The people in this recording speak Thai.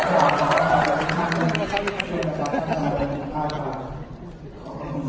ขออะไรเฮ้ยเร็ว